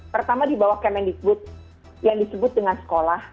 pertama di bawah kementerian agama yang disebut dengan sekolah